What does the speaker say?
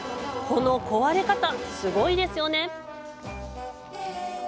この壊れ方、すごいですよね。